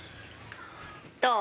どう？